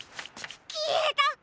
きえたっ！